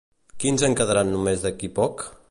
Quins en quedaran només d'aquí poc?